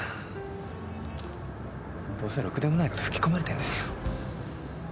どうせろくでもないこと吹き込まれてんですよ。